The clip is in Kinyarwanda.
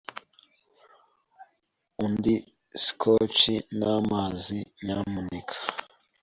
Undi Scotch namazi, nyamuneka.